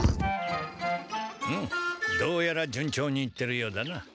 うんどうやら順調にいってるようだな。